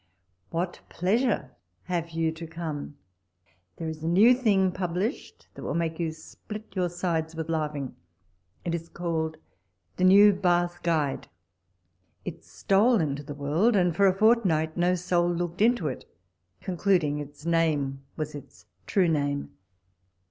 What pleasure have you to come ! there is a new thing published, that will make you split your sides with laughing. It is called the '' New Bath Guide." It stole into the world, and for a fortnight no soul looked into it, concluding its name was its true name.